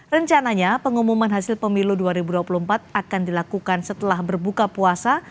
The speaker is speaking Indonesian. rencananya pengumuman hasil pemilu dua ribu dua puluh empat akan dilakukan setelah berbuka puasa